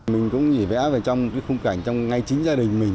mình cũng nhìn vẽ vào trong khung cảnh trong ngày chính gia đình mình